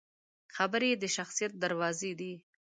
خبرې د شخصیت دروازې دي